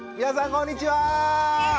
こんにちは！